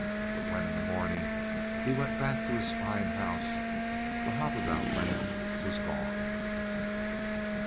But when in the morning he went back to his fine house, the Hop about Man was gone.